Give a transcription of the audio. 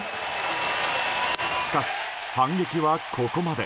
しかし、反撃はここまで。